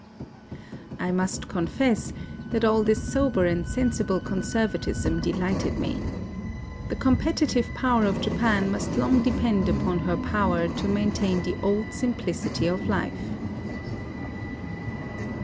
I must confess that all this sober and sen sible conservatism delighted me. The com petitive power of Japan must long depend upon her power to maintain the old simplicity of life.